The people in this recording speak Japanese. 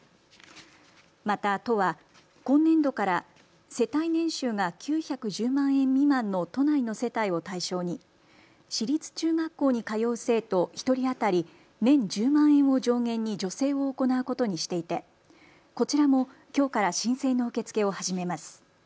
また都は今年度から世帯年収が９１０万円未満の都内の世帯を対象に私立中学校に通う生徒１人当たり年１０万円を上限に助成を行うことにしていてこちらもきょうから申請の受け付けを始めます。